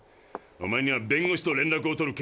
おまえには弁護士と連絡をとる権利。